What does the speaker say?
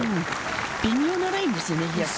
微妙なラインですよね。